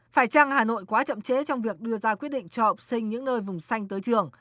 phải chăng hà nội quá chậm trễ trong việc đưa ra quyết định cho học sinh những nơi vùng xanh tới trường